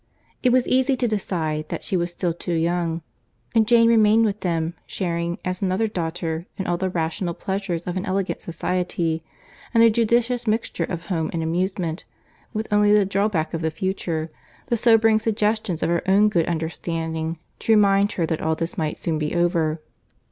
It was easy to decide that she was still too young; and Jane remained with them, sharing, as another daughter, in all the rational pleasures of an elegant society, and a judicious mixture of home and amusement, with only the drawback of the future, the sobering suggestions of her own good understanding to remind her that all this might soon be over.